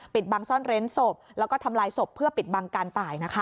บังซ่อนเร้นศพแล้วก็ทำลายศพเพื่อปิดบังการตายนะคะ